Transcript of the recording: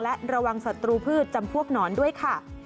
และระวังศัตรูพืชจำพวกหนอนด้วยค่ะ